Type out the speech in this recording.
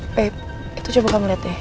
baik itu coba kamu lihat deh